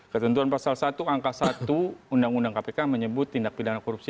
ketentuan pasal satu angka satu undang undang kpk menyebut tindak pidana korupsi